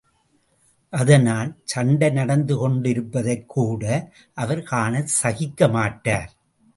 அதனால், சண்டை நடந்து கொண்டிருப்பதைக் கூட அவர் காணச் சகிக்க மாட்டார்.